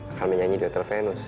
akan menyanyi di hotel venus